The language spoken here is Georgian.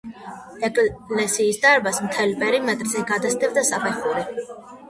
ეკლესიის დარბაზს, მთელ პერიმეტრზე გასდევდა საფეხური.